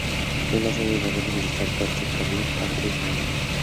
Fue sede del Gobierno Militar, cuartel de Carabineros, cuartel de la Guardia Civil.